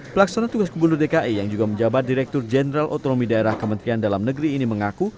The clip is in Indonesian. pelaksana tugas gubernur dki yang juga menjabat direktur jenderal otonomi daerah kementerian dalam negeri ini mengaku